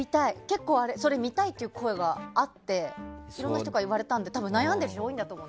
それ見たいって声があっていろんな人から言われたので悩んでる人も多いんだと思う。